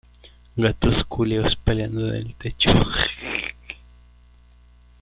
Se corona por chapitel a cuatro aguas.